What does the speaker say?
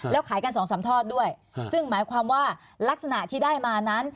แล้วขายกันสองสามทอดด้วยซึ่งหมายความว่าลักษณะที่ได้มานั้น